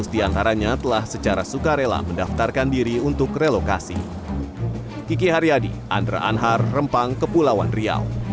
tiga belas diantaranya telah secara sukarela mendaftarkan diri untuk relokasi